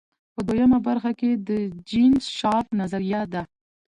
په دویمه برخه کې د جین شارپ نظریه ده.